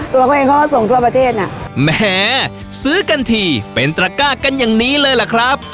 ตัวเองเขาก็ส่งทั่วประเทศอ่ะแหมซื้อกันทีเป็นตระก้ากันอย่างนี้เลยล่ะครับ